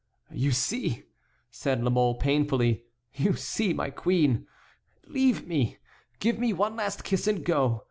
"You see," said La Mole, painfully, "you see, my queen! Leave me; give me one last kiss and go.